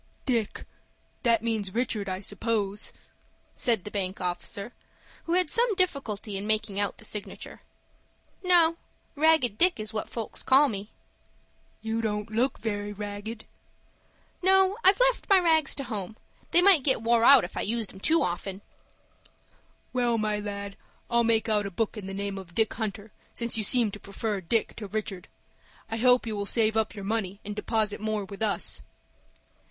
"Dick!—that means Richard, I suppose," said the bank officer, who had some difficulty in making out the signature. "No; Ragged Dick is what folks call me." "You don't look very ragged." "No, I've left my rags to home. They might get wore out if I used 'em too common." "Well, my lad, I'll make out a book in the name of Dick Hunter, since you seem to prefer Dick to Richard. I hope you will save up your money and deposit more with us."